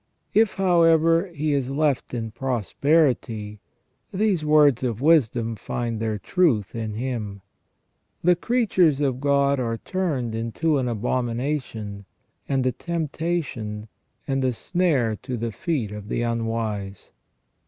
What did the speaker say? If, however, he is left in prosperity, 244 ON PENAL EVIL OR PUNISHMENT. these words of wisdom find their truth in him :" The creatures of God are turned into an abomination, and a temptation, and a snare to the feet of the unwise